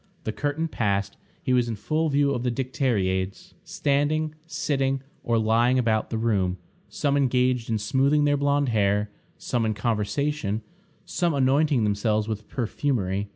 The curtain passed, he was in full view of the dicteriades, standing, sitting, or lying about the room; some engaged in smoothing their blonde hair, some in conversation, some anointing themselves with perfumery.